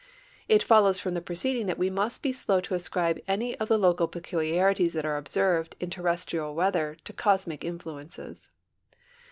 It follows from the ])receding that we must i)e slow to ascril)e any of tiie local pecu liarities that are observed in terrestrial weather to cosmic inllu ences.